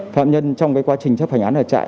phạm nhân trong quá trình chấp hành án ở trại